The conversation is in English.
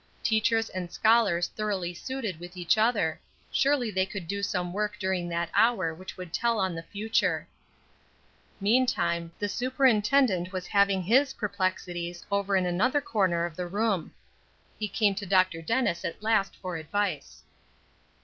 Teachers and scholars thoroughly suited with each other; surely they could do some work during that hour that would tell on the future. Meantime, the superintendent was having his perplexities over in another corner of the room. He came to Dr. Dennis at last for advice.